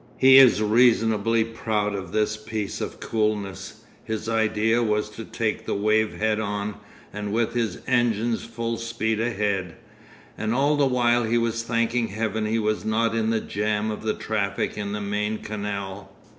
He is reasonably proud of this piece of coolness. His idea was to take the wave head on and with his engines full speed ahead. And all the while he was thanking heaven he was not in the jam of traffic in the main canal.